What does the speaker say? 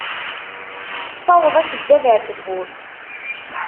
Ssaweḍ akeddab ar tawwurt.